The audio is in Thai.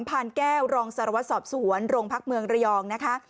พานแก้วรองสารวัตรสอบสวนโรงพักเมืองระยองนะคะ